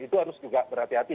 itu harus juga berhati hati